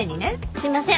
すいません。